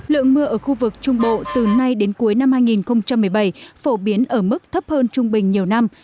lượng mưa ở khu vực trung bộ từ nay đến cuối năm hai nghìn một mươi bảy phổ biến ở mức thấp hơn trung bình nhiều năm